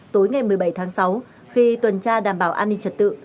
tối ngày một mươi bảy tháng sáu khi tuần tra đảm bảo an ninh trật tự